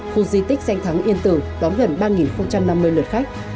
khu di tích danh thắng yên tử đón gần ba năm mươi lượt khách